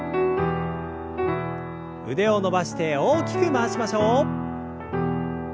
腕を伸ばして大きく回しましょう。